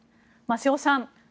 瀬尾さん。